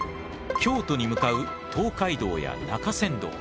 京都に向かう東海道や中山道。